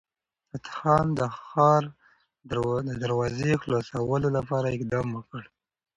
فتح خان د ښار د دروازې خلاصولو لپاره اقدام وکړ.